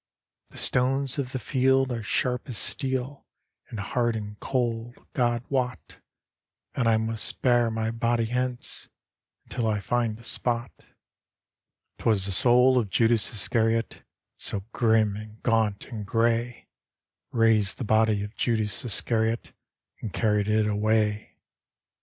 " The stones of the field are sharp as steel, And hard and cold, God wot; And I must bear my body hence Until I find a spot I " 'Twas the soul of Judas Iscariot So grim, and gaunt and grey, Raised the body of Judas Iscariot And carried it away.